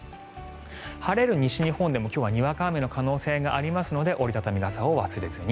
晴れる西日本でも今日はにわか雨の可能性がありますので折り畳み傘を忘れずに。